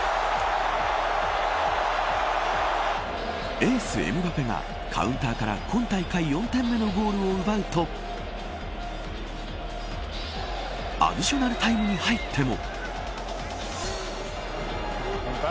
エースエムバペがカウンターから今大会４点目のゴールを奪うとアディショナルタイムに入っても。